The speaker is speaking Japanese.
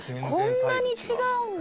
こんなに違うんだ！